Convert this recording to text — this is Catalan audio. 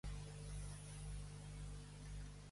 Què ha assolit Plataforma per la Llengua?